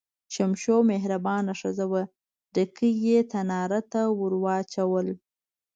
شمشو مهربانه ښځه وه، ډکي یې تنار ته ور واچول.